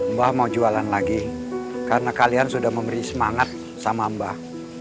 mbah mau jualan lagi karena kalian sudah memberi semangat sama mbah